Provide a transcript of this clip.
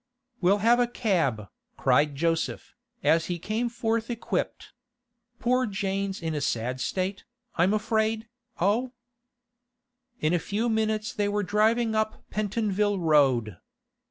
'We'll have a cab,' cried Joseph, as he came forth equipped. 'Poor Jane's in a sad state, I'm afraid, oh?' In a few minutes they were driving up Pentonville Road.